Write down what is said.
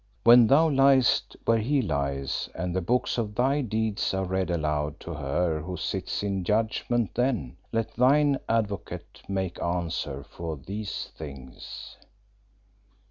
When thou liest where he lies and the books of thy deeds are read aloud to her who sits in judgment, then let thine advocate make answer for these things."